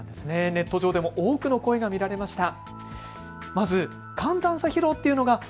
ネット上でも多くの声が見られました。